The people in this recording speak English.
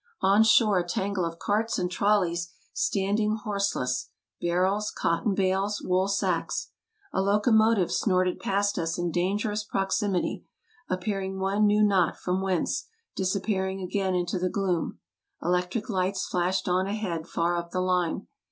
On shore a tangle of carts and trolleys standing horseless, barrels, cotton bales, wool sacks. A locomotive snorted past us in dangerous proximity, ap pearing one knew not from whence, disappearing again into the gloom. Electric lights flashed on ahead far up the line.